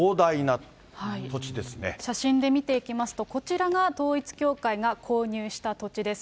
写真で見ていきますと、こちらが統一教会が購入した土地です。